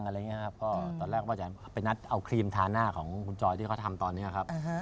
เพราะตอนแรกว่าจะไปนัดเอาครีมทาหน้าของคุณจอยที่เขาทำตอนนี้ครับ